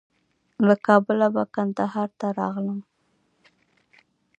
له کابله به کندهار ته راغلم.